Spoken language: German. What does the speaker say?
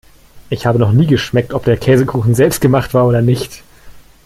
Ich habe noch nie geschmeckt, ob der Käsekuchen selbstgemacht war oder nicht.